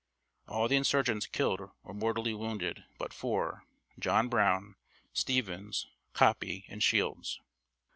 All the insurgents killed or mortally wounded, but four, John Brown, Stevens, Coppie, and Shields."